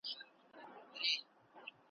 یکه زار نارې یې اورم په کونړ کي جاله وان دی .